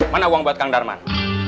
mana uang buat kang darman